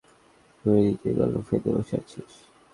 তুই নিজেই গল্প ফেঁদে বসে আছিস।